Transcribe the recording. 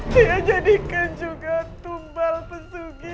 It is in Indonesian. saya jadikan juga tumbal pesugihan